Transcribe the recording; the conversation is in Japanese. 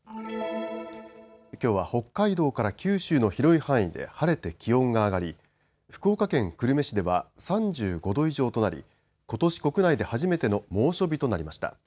きょうは北海道から九州の広い範囲で晴れて気温が上がり福岡県久留米市では３５度以上となりことし国内で初めての猛暑日となりました。